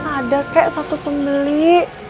ada kayak satu pembeli